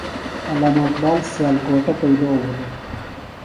علامہ اقبال سیالکوٹہ پیئدو بِھلوۡ۔